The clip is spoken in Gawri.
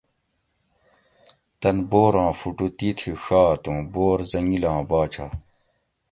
تن بوراں فوٹو تیتھی ڛات اوُں بور حٔنگیلاں باچہ